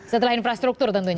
setelah infrastruktur tentunya